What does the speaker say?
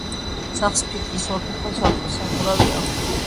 სახლს ფიქლის ორფერდა სახურავი აქვს.